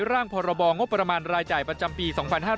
ร่างพรบงบประมาณรายจ่ายประจำปี๒๕๕๙